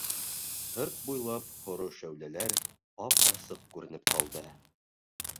Һырт буйлап һоро шәүләләр ап-асыҡ күренеп ҡалды.